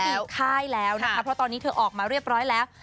ค่ายแล้วนะคะเพราะตอนนี้เธอออกมาเรียบร้อยแล้ว